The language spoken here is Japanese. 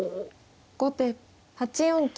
後手８四金。